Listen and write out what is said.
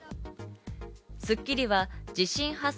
『スッキリ』は地震発生